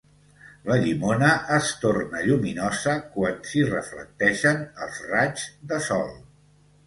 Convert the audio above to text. La llimona es torna lluminosa quan s'hi reflecteixen els raigs de sol